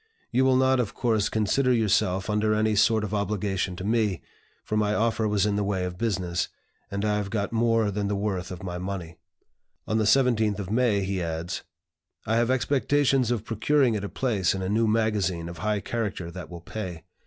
You will not, of course, consider yourself under any sort of obligation to me, for my offer was in the way of business, and I have got more than the worth of my money." On the 17th of May he adds: "I have expectations of procuring it a place in a new magazine of high character that will pay.